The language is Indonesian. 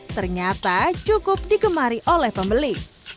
ternyata cukup digemari oleh pembeli